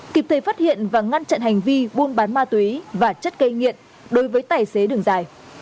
kịp thời phát hiện và ngăn chặn hành vi buôn bán ma túy và chất gây nghiện đối với tài xế đường dài